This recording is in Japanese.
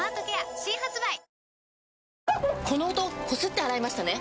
この音こすって洗いましたね？